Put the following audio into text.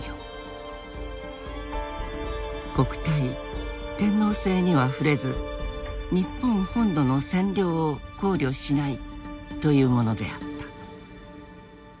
国体天皇制には触れず日本本土の占領を考慮しないというものであった。